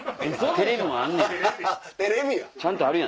テレビもあんねや。